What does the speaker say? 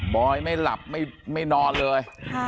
อยไม่หลับไม่นอนเลย